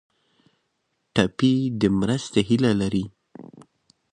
ټپي د مرستې هیله لري.